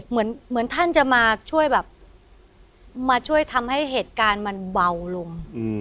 เหมือนท่านจะมาช่วยแบบมาช่วยทำให้เหตุการณ์มันเบาลง